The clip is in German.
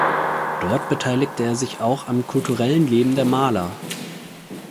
Dort beteiligte er sich auch am kulturellen Leben der Maler.